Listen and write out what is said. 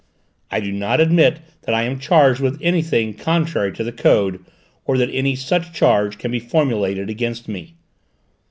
I do not admit that I am charged with anything contrary to the Code, or that any such charge can be formulated against me.